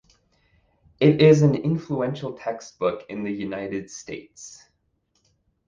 It is an influential textbook in the United States.